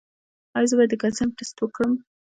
ایا زه باید د کلسیم ټسټ وکړم؟